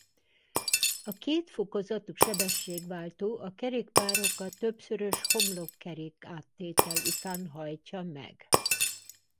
A két fokozatú sebességváltó a kerékpárokat többszörös homlokkerék-áttétel után hajtja meg.